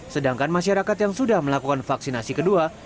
sedangkan masyarakat yang sudah melakukan vaksinasi kedua